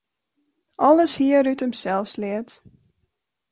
Alles hie er út himsels leard.